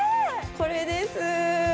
これです。